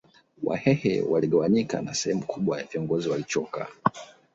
Wahehe waligawanyika na sehemu kubwa ya viongozi waliochoka